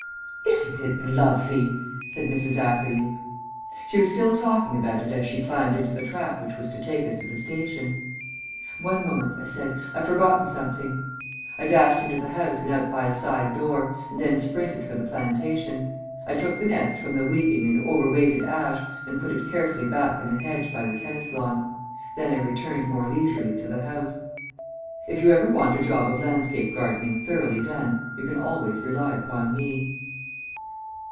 "Isn't it lovely?" said Mrs. Atherley. She was still talking about it as she climbed into the trap which was to take us to the station. "One moment," I said, "I've forgotten something." I dashed into the house and out by a side door, and then sprinted for the plantation. I took the nest from the weeping and over weighted ash and put it carefully back in the hedge by the tennis lawn. Then I returned more leisurely to the house. If you ever want a job of landscape gardening thoroughly well done, you can always rely upon me.